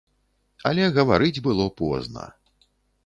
Але гаварыць было позна.